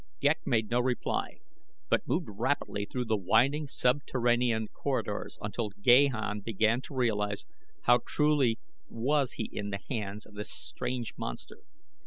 Ghek made no reply, but moved rapidly through the winding subterranean corridors until Gahan began to realize how truly was he in the hands of this strange monster.